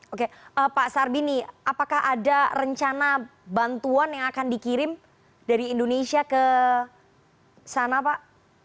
oke pak sarbini apakah ada rencana bantuan yang akan dikirim dari indonesia ke sana pak